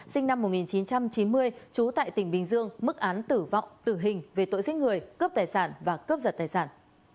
sinh năm một nghìn chín trăm chín mươi trú tại tỉnh bình dương mức án tử vọng tử hình về tội giết người cướp tài sản và cướp giật tài sản